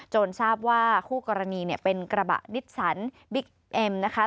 ทราบว่าคู่กรณีเนี่ยเป็นกระบะนิสสันบิ๊กเอ็มนะคะ